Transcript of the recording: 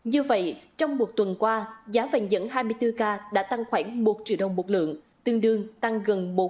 như vậy trong một tuần qua giá vàng nhẫn hai mươi bốn k đã tăng khoảng một triệu đồng một lượng tương đương tăng gần một